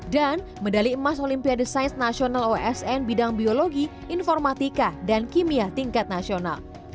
dan medali emas olimpiade sains nasional osn bidang biologi informatika dan kimia tingkat nasional